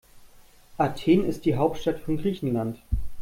Athen ist die Hauptstadt von Griechenland.